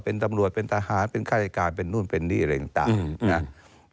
เป็นตำรวจเป็นทหารเป็นฆาติการเป็นนู่นเป็นนี่อะไรต่างนะ